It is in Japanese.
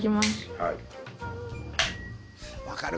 はい。